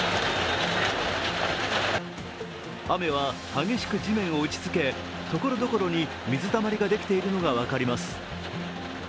雨は激しく地面を打ちつけ、所々に水たまりができているのが分かります。